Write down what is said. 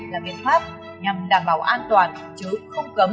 là biện pháp nhằm đảm bảo an toàn chứ không cấm